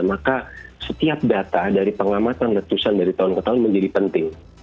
maka setiap data dari pengamatan letusan dari tahun ke tahun menjadi penting